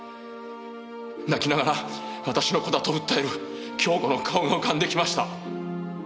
泣きながら私の子だと訴える恭子の顔が浮かんできました。